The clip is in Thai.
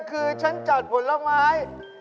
คือฉันจัดผลไม้